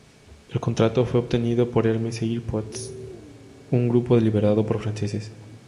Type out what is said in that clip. El contrato fue obtenido por Hermes Airports, un grupo liderado por franceses.